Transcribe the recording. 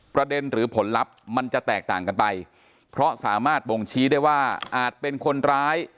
ประเด็นหรือผลลัพธ์มันจะแตกต่างกันไปเพราะสามารถบ่งชี้ได้ว่าอาจเป็นคนร้าย